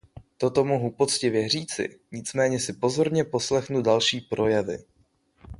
Toto mohu poctivě říci, nicméně si pozorně poslechnu další projevy.